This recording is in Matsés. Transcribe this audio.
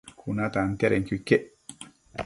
Cuna tantiadenquio iquec